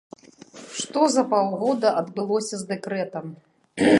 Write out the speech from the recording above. Што за паўгода адбылося з дэкрэтам?